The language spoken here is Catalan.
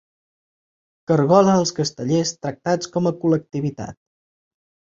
Cargola els castellers tractats com a col·lectivitat.